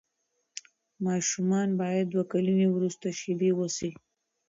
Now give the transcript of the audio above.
ماشومان باید د دوه کلنۍ وروسته شیدې وڅښي.